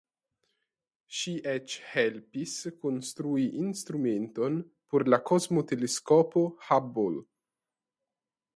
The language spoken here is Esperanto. Ŝi eĉ helpis konstrui instrumenton por la Kosmoteleskopo Hubble.